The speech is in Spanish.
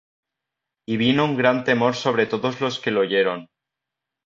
Y vino un gran temor sobre todos los que lo oyeron.